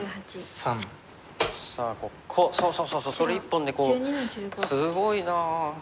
さあそうそうそれ１本ですごいな。